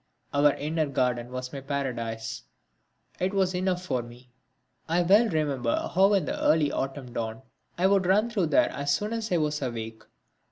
Our inner garden was my paradise; it was enough for me. I well remember how in the early autumn dawn I would run there as soon as I was awake.